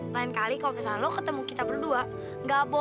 lain kali kalau misalnya lo ketemu kita berdua lo bisa berbicara